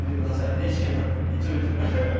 ＮＨＫなんでって一応、言っときました。